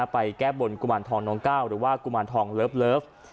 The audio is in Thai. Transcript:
ไปแก้บนกุมารทองน้องก้าวหรือว่ากุมารทองเลิฟ